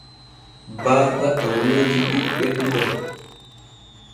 Baaba e woodi ɓiɓɓe ɗiɗo.